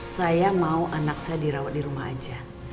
saya mau anak saya dirawat di rumah aja